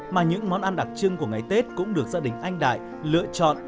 mà những món ăn đặc trưng của ngày tết cũng được gia đình anh đại lựa chọn